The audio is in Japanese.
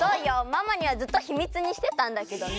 ママにはずっとヒミツにしてたんだけどね。